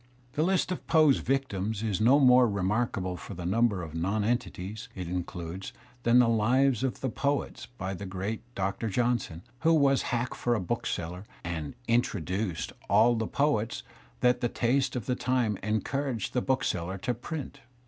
The list of Poe's victims is not more re markable for the number of nonentities it includes than "The Lives of the Poets'* by the great Doctor Johnson, who was hack for a bookseller, and "introduced" all the poets that the taste of the time encouraged the bookseller to print.